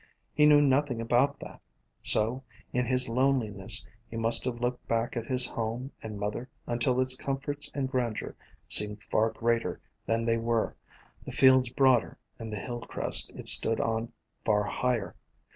He knew nothing about that ; so in his loneliness he must have looked back at his home and mother until its comforts and grandeur seemed far greater than they were, the fields broader and the hill crest it stood on far higher.